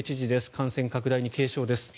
感染拡大に警鐘です。